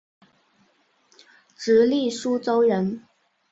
直隶苏州人。